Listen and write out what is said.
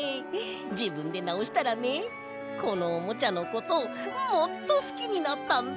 じぶんでなおしたらねこのおもちゃのこともっとすきになったんだ！